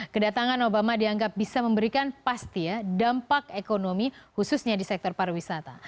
kedatangan obama dianggap bisa memberikan pasti ya dampak ekonomi khususnya di sektor pariwisata